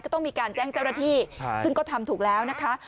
ต้องมีการแจ้งเจ้าหน้าที่ซึ่งก็ทำถูกแล้วนะคะ